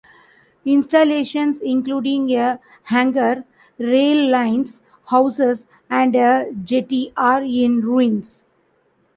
Installations, including a hangar, rail lines, houses and a jetty are in ruins.